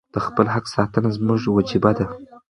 د خپل حق ساتنه زموږ وجیبه ده.